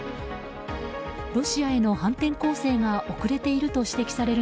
ロシアへの反転攻勢が遅れていると指摘される